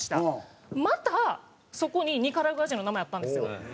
またそこにニカラグア人の名前あったんですよ。